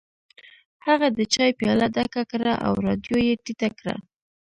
هغه د چای پیاله ډکه کړه او رادیو یې ټیټه کړه